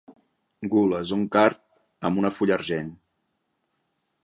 Gules, un card amb una fulla argent.